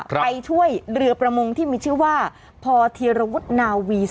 ไปช่วยเรือประมงที่มีชื่อว่าพอธีรวุฒนาวี